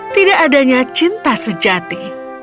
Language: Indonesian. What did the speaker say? tidak adanya cinta sejati